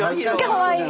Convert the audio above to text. かわいい！